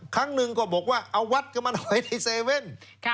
ครั้งหนึ่งก็บอกว่าเอาวัดกันมาหน่อยในเซเว่น